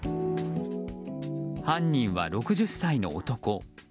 犯人は６０歳の男。